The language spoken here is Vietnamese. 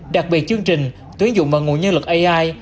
đặc biệt chương trình tuyến dụng mạng nguồn nhân lực ai